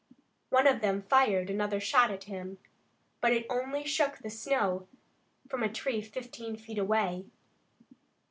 One of them fired another shot at him, but it only shook the snow from a tree fifteen feet away.